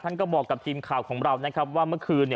ท่านก็บอกทีมข่าวของเรานั่นนะครับว่าเมื่อคืน